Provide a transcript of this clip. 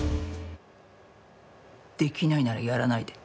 できないならやらないで。